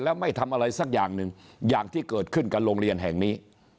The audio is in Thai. แล้วไม่ทำอะไรสักอย่างหนึ่งอย่างที่เกิดขึ้นกับโรงเรียนแห่งนี้